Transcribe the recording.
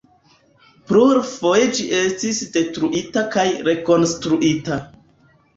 Plurfoje ĝi estis detruita kaj rekonstruita.